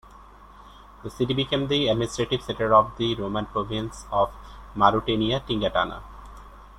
The city became the administrative centre of the Roman province of Mauretania Tingitana.